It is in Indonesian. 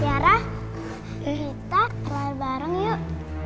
yara kita keluar bareng yuk